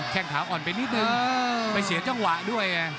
แค่งขาอ่อนไปนิดนึงไปเสียจังหวะด้วยไง